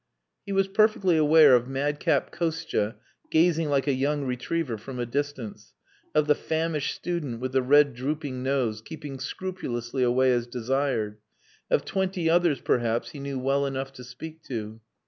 He was perfectly aware of madcap Kostia gazing like a young retriever from a distance, of the famished student with the red drooping nose, keeping scrupulously away as desired; of twenty others, perhaps, he knew well enough to speak to.